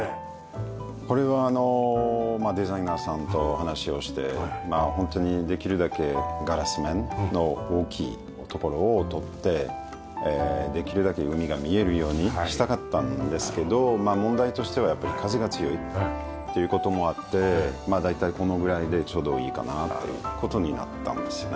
これはあのデザイナーさんと話をしてホントにできるだけガラス面の大きいところを取ってできるだけ海が見えるようにしたかったんですけどまあ問題としてはやっぱり風が強いという事もあって大体このぐらいでちょうどいいかなという事になったんですよね。